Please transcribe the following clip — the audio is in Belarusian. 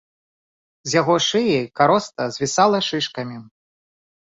З яго шыі кароста звісала шышкамі.